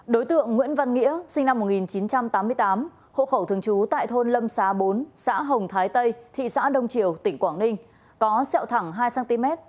đối tượng nguyễn văn nghĩa sinh năm một nghìn chín trăm tám mươi tám hộ khẩu thường trú tại thôn lâm xá bốn xã hồng thái tây thị xã đông triều tỉnh quảng ninh có sẹo thẳng hai cm